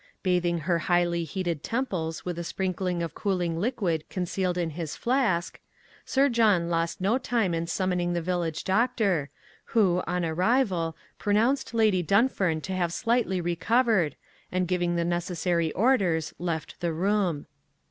Bathing her highly heated temples with a sprinkling of cooling liquid concealed in his flask, Sir John lost no time in summoning the village doctor, who, on arrival, pronounced Lady Dunfern to have slightly recovered, and giving the necessary orders left the room.